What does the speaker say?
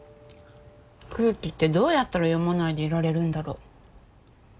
空気ってどうやったら読まないでいられるんだろ。